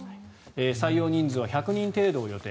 採用人数は１００人程度を予定。